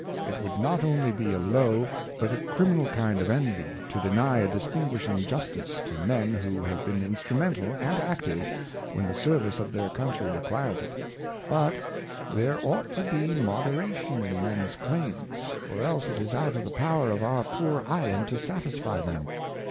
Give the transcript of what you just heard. It would not only be a low, but a Criminal kind of Envy, to deny a distinguishing Justice to Men who have been instrumental and active, when the Service of their Countrey requir'd it. But there ought to be Moderation in men's Claims, or else it is out of the Power of our poor Island to satisfy them.